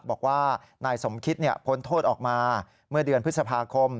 บอกว่านายสมคิดพ้นโทษออกมาเมื่อเดือนพฤษภาคม